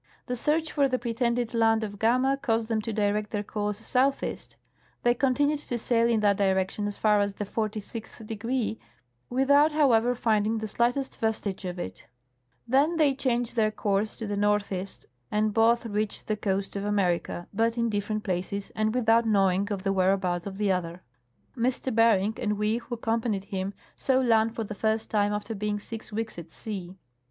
The search for the pretended land of Gama caused them to direct their course southeast ; they continued to sail in that direction as far as the 46th degree without, however, finding the slightest vestige of it They then changed their course to the northeast and both reached the coast of America, but in different places and without knowing of the whereabouts of the other. M. Bering and we who accompanied him saw land for the first time after being six weeks at sea.